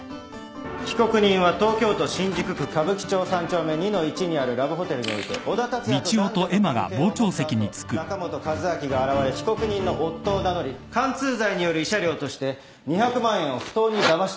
被告人は東京都新宿区歌舞伎町３丁目２−１にあるラブホテルにおいて小田達也と男女の関係を持った後中本和明が現れ被告人の夫を名乗り姦通罪による慰謝料として２００万円を不当にだまし取ったものである。